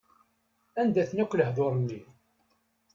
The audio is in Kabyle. Anda-ten akk lehduṛ-nni.